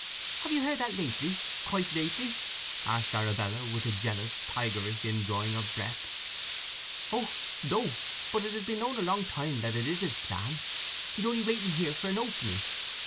"Have you heard that lately—quite lately?" asked Arabella with a jealous, tigerish indrawing of breath. "Oh no! But it has been known a long time that it is his plan. He's on'y waiting here for an opening.